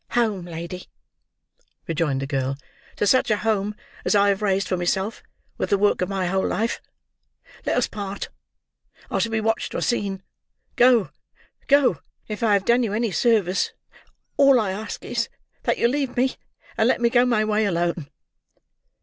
"Home, lady," rejoined the girl. "To such a home as I have raised for myself with the work of my whole life. Let us part. I shall be watched or seen. Go! Go! If I have done you any service all I ask is, that you leave me, and let me go my way alone."